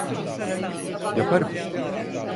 Yaparım.